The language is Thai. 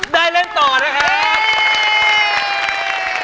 ได้เล่นต่อนะครับ